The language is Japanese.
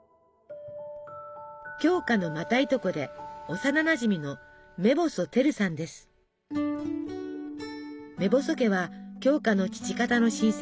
鏡花のまたいとこで幼なじみの目細家は鏡花の父方の親戚。